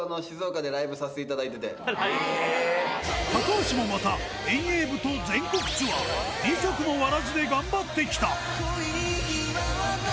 高橋もまた遠泳部と全国ツアー二足のわらじで頑張ってきた